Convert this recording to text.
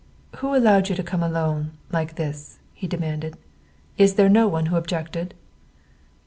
"Who allowed you to come, alone, like this?" he demanded. "Is there no one who objected?"